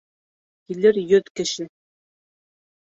Килер йөҙ кеше